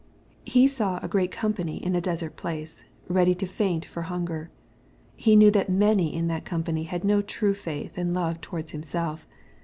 He saw a great company in a desert place, ready to faint for hunger. He knew that many in that company had no true faith and love towards Himself.